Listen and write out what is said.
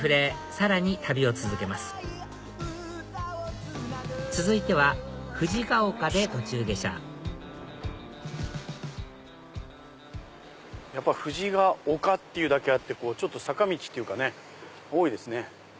さらに旅を続けます続いては藤が丘で途中下車やっぱ藤が丘っていうだけあってちょっと坂道っていうかね多いですね。